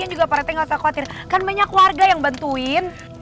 dan juga parete gak usah khawatir kan banyak warga yang bantuin